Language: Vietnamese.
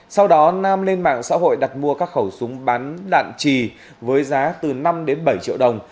sau đó nam lên mạng xã hội đặt mua các khẩu súng bán đạn trì với giá từ năm đến bảy triệu đồng